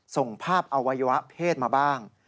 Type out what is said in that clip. ส่งภาพอวัยวะเพศมาบ้าง